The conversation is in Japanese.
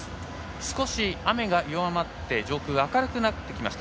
少し雨が弱まって上空、明るくなってきました。